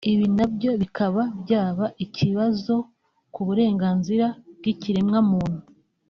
ibi nabyo bikaba byaba ikibazo ku burenganzira bw’ikiremwa muntu